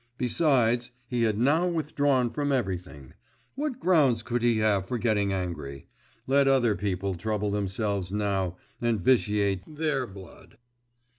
… Besides, he had now withdrawn from everything. What grounds could he have for getting angry? Let other people trouble themselves now and vitiate their blood!